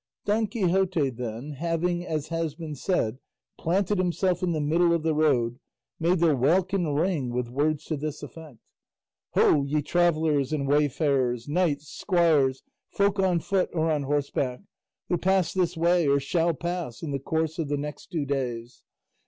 Don Quixote, then, having, as has been said, planted himself in the middle of the road, made the welkin ring with words to this effect: "Ho ye travellers and wayfarers, knights, squires, folk on foot or on horseback, who pass this way or shall pass in the course of the next two days!